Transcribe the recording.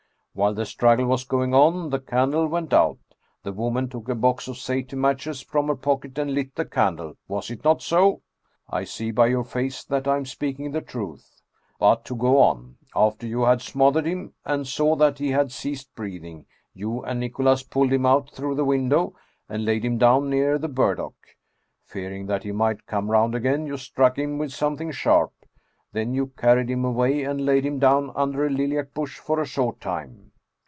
While the struggle was going on the candle went out. The woman took a box of safety matches from her pocket, and lit the candle. Was it not so? I see by your face that I am speaking the truth. But to go on. After you had smothered him, and saw that he had ceased breathing, you and Nicholas pulled him out through the window and laid him down near the burdock. Fearing that he might come round again, you struck him with something sharp. Then you carried him away, and laid him down under a lilac bush for a short time.